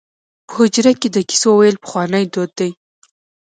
په حجره کې د کیسو ویل پخوانی دود دی.